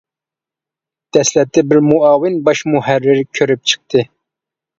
دەسلەپتە بىر مۇئاۋىن باش مۇھەررىر كۆرۈپ چىقتى.